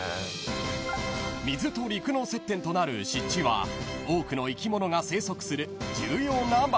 ［水と陸の接点となる湿地は多くの生き物が生息する重要な場所］